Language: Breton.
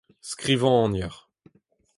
skrivagner